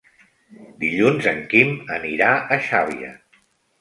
Dilluns en Quim anirà a Xàbia.